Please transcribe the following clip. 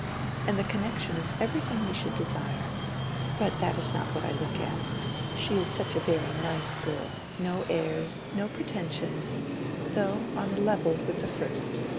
And the connection is everything we should desire. But that is not what I look at. She is such a very nice girl—no airs, no pretensions, though on a level with the first.